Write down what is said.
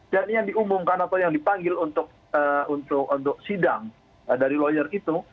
dan yang diumumkan atau yang dipanggil untuk sidang dari lawyer itu